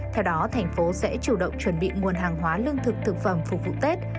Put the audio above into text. theo đó thành phố sẽ chủ động chuẩn bị nguồn hàng hóa lương thực thực phẩm phục vụ tết